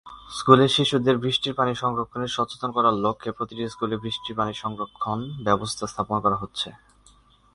স্কুলের শিশুদের বৃষ্টির পানি সংরক্ষণে সচেতন করার লক্ষ্যে প্রতিটি স্কুলে বৃষ্টির পানি সংরক্ষণ ব্যবস্থা স্থাপন করা হচ্ছে।